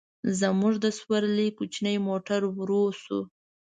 زموږ د سورلۍ کوچنی موټر ورو شو.